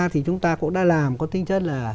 thì chúng ta cũng đã làm có tinh chất là